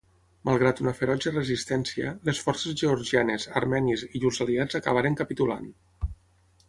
Malgrat una ferotge resistència, les forces georgianes, armènies i llurs aliats acabaren capitulant.